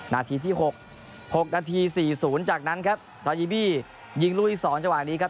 นาทีที่หกหกนาทีสี่ศูนย์จากนั้นครับตาเยบียิงลูกที่สองจังหวะนี้ครับ